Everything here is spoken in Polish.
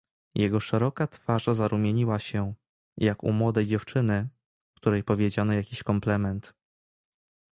"Jego szeroka twarz zarumieniła się, jak u młodej dziewczyny, której powiedziano jakiś komplement."